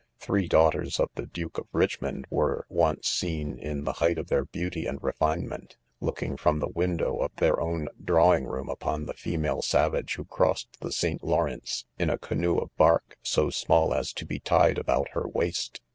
Three daughters of the Duke of Richmond were once seen, in the "height of their beauty and refinement, looking from the window of their own drawing room upon the female savage who crossed the St. Lawrence in a canoe of bark,, so small as to be tied about her waist.